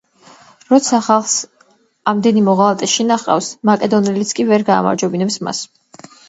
როცა ხალხს ამდენი მოღალატე შინა ჰყავს, მაკედონელიც კი ვერ გაამარჯვებინებს მას.